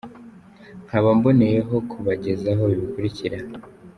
Nkaba mboneyeho kubagezaho ibi bikurikira :